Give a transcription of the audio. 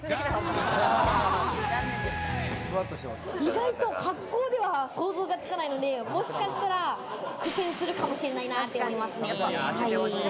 意外と格好では想像がつかないので、もしかしたら苦戦するかもしれないなって思いますね。